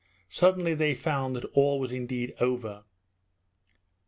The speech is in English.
Suddenly they found that all was indeed over.